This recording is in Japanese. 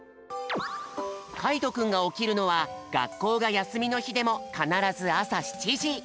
かいとくんがおきるのはがっこうがやすみのひでもかならずあさ７じ。